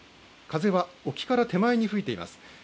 風は沖から手前に吹いています。